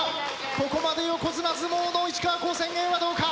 ここまで横綱相撲の石川高専Ａはどうか。